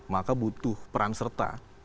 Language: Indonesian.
maka butuh peran serta